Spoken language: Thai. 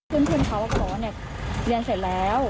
เพื่อนเขาก็บอกว่าเนี่ยเรียนเสร็จแล้ว